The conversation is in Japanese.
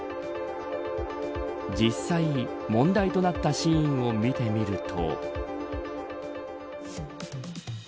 実際、問題となったシーンを見てみると。